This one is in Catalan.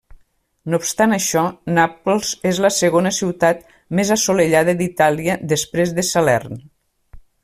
No obstant això, Nàpols és la segona ciutat més assolellada d'Itàlia, després de Salern.